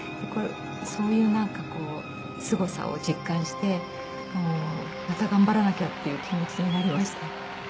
そういうなんかこうすごさを実感してまた頑張らなきゃっていう気持ちになりました。